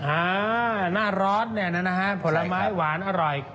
อ่าหน้าร้อนเนี่ยนะฮะผลไม้หวานอร่อย